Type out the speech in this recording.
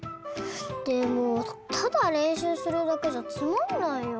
でもただれんしゅうするだけじゃつまんないよ。